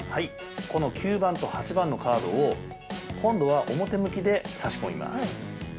この９番と８番のカードを今度は表向きで挿し込みます。